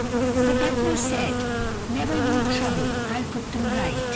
The butler said, "Never you trouble, I'll put them right."